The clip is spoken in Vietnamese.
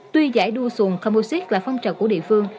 tuy giải đua xuồng comosite là phong trào của địa phương